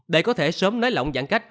để có thể sớm nới lỏng giãn cách